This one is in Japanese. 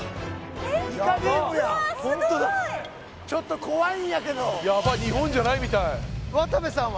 すごーいちょっと怖いんやけどヤバい日本じゃないみたい渡部さんは？